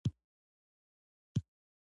په ارام کښېنه.